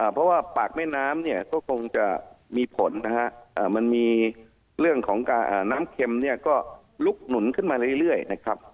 เพราะว่าปากแม่น้ำเนี่ยก็คงจะมีผลนะฮะมันมีเรื่องของน้ำเค็มเนี่ยก็ลุกหนุนขึ้นมาเรื่อยนะครับ